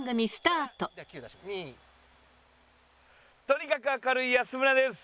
とにかく明るい安村です。